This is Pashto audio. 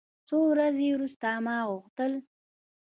څو ورځې وروسته ما غوښتل.